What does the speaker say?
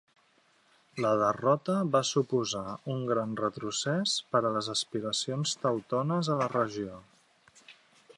La derrota va suposar un gran retrocés per a les aspiracions teutones a la regió.